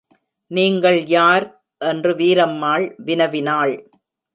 நீங்கள் யார்? என்று வீரம்மாள் வினவினாள்.